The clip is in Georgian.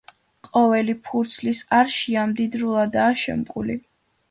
ყოველი ფურცლის არშია მდიდრულადაა შემკული.